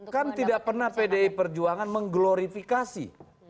kan tidak pernah pdi perjuangan mengglorifikasi